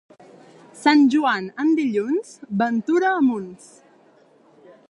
Sant Joan en dilluns, ventura a munts.